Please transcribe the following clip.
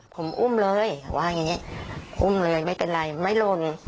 ผมอุ้มเลยว่าอย่างนี้อุ้มเลยไม่เป็นไรไม่หล่น